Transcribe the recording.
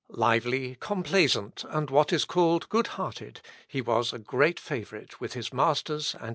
Lively, complaisant, and what is called good hearted, he was a great favourite with his masters and his comrades.